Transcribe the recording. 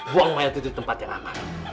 buang mayat itu di tempat yang aman